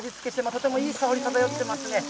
とてもいい香り、漂ってますね。